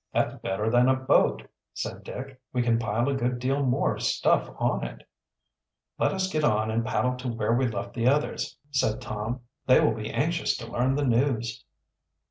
"That's better than a boat," said Dick. "We can pile a good deal more stuff on it." "Let us get on and paddle to where we left the others," said Tom. "They will be anxious to learn the news."